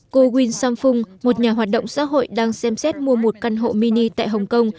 cô win samfung một nhà hoạt động xã hội đang xem xét mua một căn hộ mini tại hồng kông